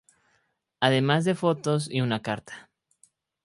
Además de fotos y una carta.